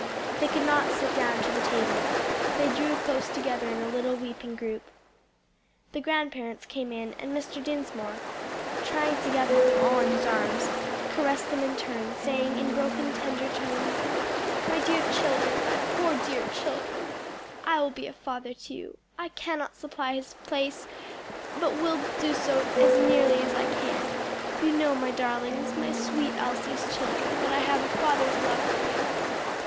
They could not sit down to the table. They drew close together in a little weeping group. The grandparents came in, and Mr. Dinsmore, trying to gather them all in his arms, caressed them in turn, saying in broken, tender tones, "My dear children, my poor dear children! I will be a father to you. I cannot supply his place, but will do so as nearly as I can. You know, my darlings, my sweet Elsie's children, that I have a father's love for you."